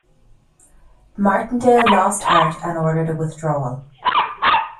Martindale lost heart and ordered a withdrawal.